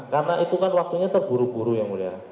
karena itu kan waktunya terburu buru yang mulia